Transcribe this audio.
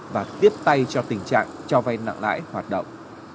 và tiếp tay cho tình trạng cho vay nặng lãi hoạt động